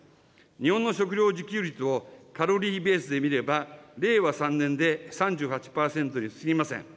日本の食料自給率をカロリーベースで見れば、令和３年で３８％にすぎません。